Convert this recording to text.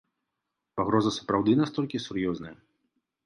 Пагроза сапраўды настолькі сур'ёзная?